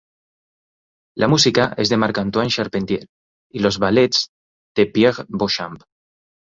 La música es de Marc-Antoine Charpentier y los ballets de Pierre Beauchamp.